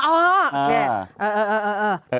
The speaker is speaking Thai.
อ๋อโอเค